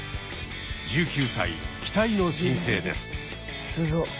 １９歳期待の新星です。